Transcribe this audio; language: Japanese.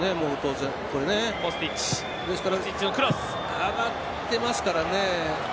上がってますからね